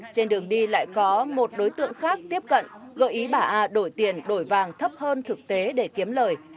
trên đường đi lại có một đối tượng khác tiếp cận gợi ý bà a đổi tiền đổi vàng thấp hơn thực tế để kiếm lời